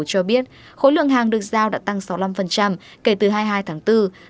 cho biết khối lượng hàng được giao đã tăng sáu mươi năm kể từ hai mươi hai tháng bốn